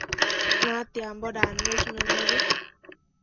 natiambo dannësh nënebi